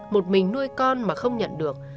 một mình nuôi con mà không nhận được